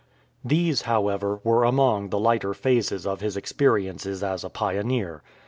These, however, were among the lighter phases of his experiences as a pioneer.